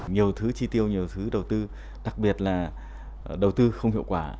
nhiều thứ chi tiêu nhiều thứ đầu tư đặc biệt là đầu tư không hiệu quả